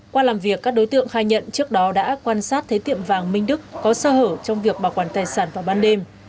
qua làm việc các đối tượng khai nhận trước đó đã quan sát thấy tiệm vàng minh đức có sơ hở trong việc bảo quản tài sản vào ban đêm